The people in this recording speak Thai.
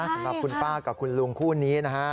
สำหรับคุณป้ากับคุณลุงคู่นี้นะฮะ